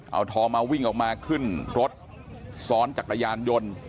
เอาทองมาวิ่งออกมาขึ้นรถซ้อนจักรยานยนต์